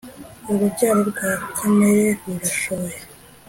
urubyaro rwa kamere rurashoboye